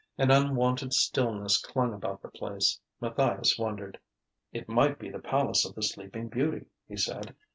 An unwonted stillness clung about the place. Matthias wondered. "It might be the palace of the Sleeping Beauty," he said.